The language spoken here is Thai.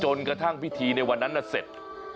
กระทั่งพิธีในวันนั้นเสร็จ